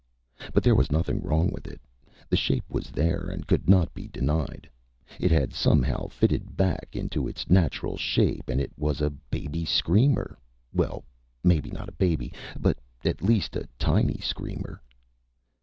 But there was nothing wrong with it. The shape was there and could not be denied. It had somehow fitted back into its natural shape and it was a baby screamer well, maybe not a baby, but at least a tiny screamer.